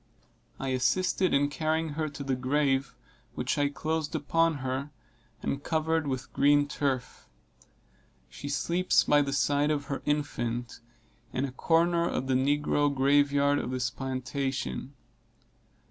I assisted in carrying her to the grave, which I closed upon her, and covered with green turf. She sleeps by the side of her infant, in a corner of the negro grave yard of this plantation.